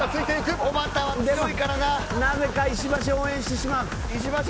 なぜか石橋応援してしまう。